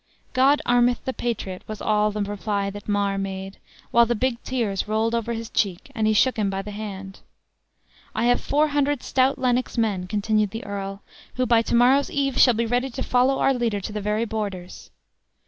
"God armeth the patriot," was all the reply that Mar made, while the big tears rolled over his cheek, and he shook him by the hand. "I have four hundred stout Lennox men," continued the earl, "who by to morrow's eve shall be ready to follow our leader to the very borders."